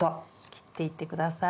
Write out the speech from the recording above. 切っていってください。